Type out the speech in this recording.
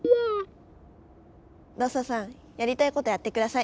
ロッソさんやりたいことやって下さい。